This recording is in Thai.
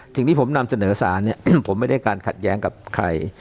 สิ่งที่ผมนำเสนอสารเนี่ยผมไม่ได้การขัดแย้งกับใคร